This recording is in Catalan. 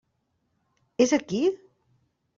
És aquí?